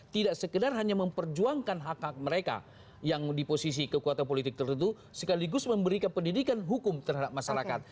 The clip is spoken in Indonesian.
tidak sekedar hanya memperjuangkan hak hak mereka yang di posisi kekuatan politik tertentu sekaligus memberikan pendidikan hukum terhadap masyarakat